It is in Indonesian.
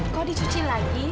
kok dicuci lagi